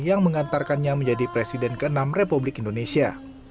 yang mengantarkannya menjadi presiden ke enam republik indonesia